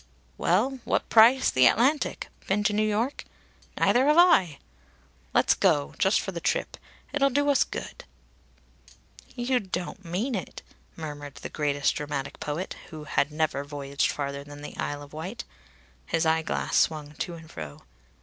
"Well what price the Atlantic? Been to New York? ... Neither have I! Let's go. Just for the trip. It'll do us good." "You don't mean it!" murmured the greatest dramatic poet, who had never voyaged farther than the Isle of Wight. His eyeglass swung to and fro.